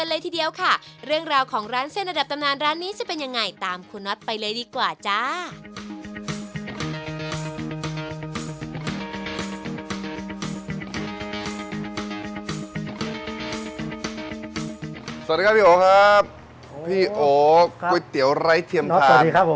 สวัสดีครับพี่โอครับพี่โอ๋ก๋วยเตี๋ยวไร้เทียมทานครับผม